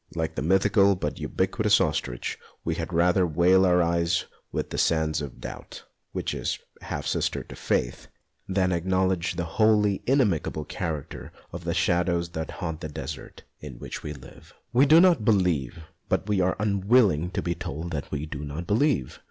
Like the mythical but ubiquitous ostrich, we had rather veil our eyes with the sands of doubt, which is half sister to faith, than acknowledge the wholly inimicable character of the shadows that haunt the desert in which we live. We do not believe, but we are unwilling to be told that we do not believe.